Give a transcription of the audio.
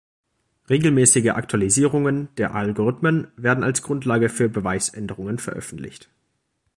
Regelmäßige Aktualisierungen der Algorithmen werden als Grundlage für Beweisänderungen veröffentlicht.